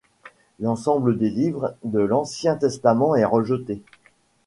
L’ensemble des livres de l’Ancien Testament est rejeté.